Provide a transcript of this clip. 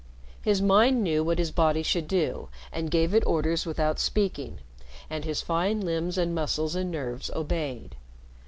His mind knew what his body should do, and gave it orders without speaking, and his fine limbs and muscles and nerves obeyed.